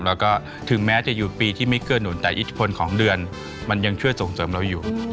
แล้วก็ถึงแม้จะอยู่ปีที่ไม่เกื้อหนุนแต่อิทธิพลของเดือนมันยังช่วยส่งเสริมเราอยู่